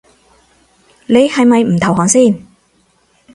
你係咪唔投降先